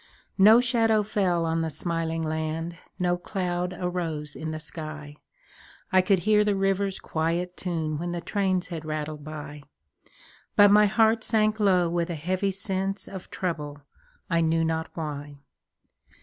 No shadow fell on the smiling land, No cloud arose in the sky; I could hear the river's quiet tune When the trains had rattled by; But my heart sank low with a heavy sense Of trouble, I knew not why.